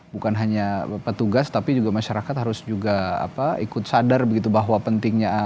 bukan hanya petugas tapi juga masyarakat harus juga ikut sadar begitu bahwa pentingnya